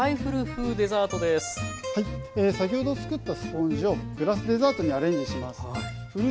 先ほど作ったスポンジをグラスデザートにアレンジします。